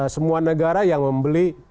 semua negara yang membeli